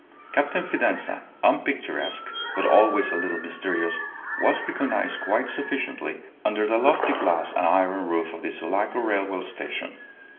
Captain Fidanza, unpicturesque, but always a little mysterious, was recognized quite sufficiently under the lofty glass and iron roof of the Sulaco railway station.